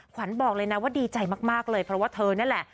ขวัญบอกเลยนะว่าดีใจมากเลยเพราะว่าเธอนั่นแหละ